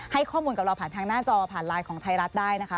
ให้ข้อมูลกับเราผ่านทางหน้าจอผ่านไลน์ของไทยรัฐได้นะคะ